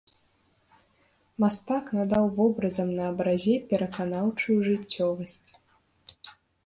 Мастак надаў вобразам на абразе пераканаўчую жыццёвасць.